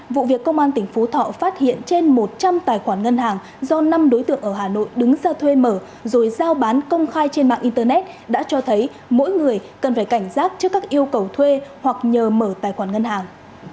vụ việc công an tỉnh phú thọ phát hiện trên một trăm linh tài khoản ngân hàng do năm đối tượng ở hà nội đứng ra thuê mở rồi giao bán công khai trên mạng internet đã cho thấy mỗi người cần phải cảnh giác trước các yêu cầu thuê hoặc nhờ mở tài khoản ngân hàng